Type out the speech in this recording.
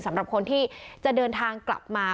สำหรับคนที่จะเดินทางกลับมา